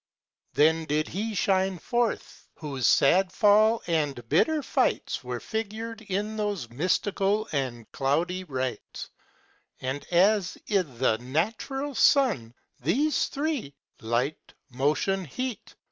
Then did He shine forth. Whose sad fall, And bitter fights Were figured in those mystical And cloudy rites ; And as i' th' natural sun, these three, Light, motion, heat.